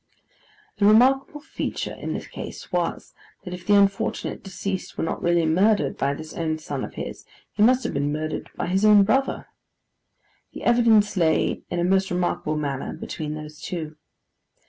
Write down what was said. The remarkable feature in the case was, that if the unfortunate deceased were not really murdered by this own son of his, he must have been murdered by his own brother. The evidence lay in a most remarkable manner, between those two.